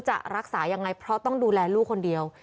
จะรักษายังไงเพราะต้องดูแลลูกคนเดียว